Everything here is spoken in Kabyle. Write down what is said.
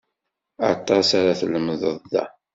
Aṭas ara tlemded da.